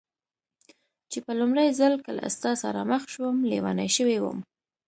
چې په لومړي ځل کله ستا سره مخ شوم، لېونۍ شوې وم.